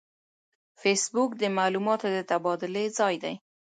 فېسبوک د معلوماتو د تبادلې ځای دی